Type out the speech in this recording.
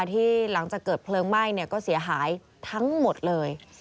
ที่หลังจากเกิดเพลิงไหม้ก็เสียหายทั้งหมดเลย